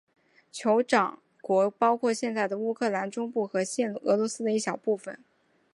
酋长国包括现在的乌克兰中部和现俄罗斯的一小部分。